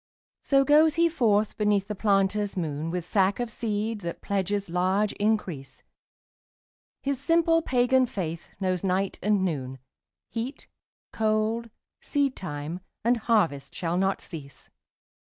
So goes he forth beneath the planter's moon With sack of seed that pledges large increase, His simple pagan faith knows night and noon, Heat, cold, seedtime and harvest shall not cease.